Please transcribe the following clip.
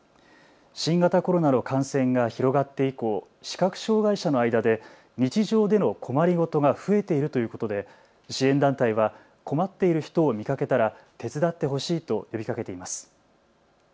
新型コロナの感染が広がって以降視覚障害者の間で日常での困り事が増えているということで支援団体は困っている人を見かけたら手伝ってほしいと呼びかけています。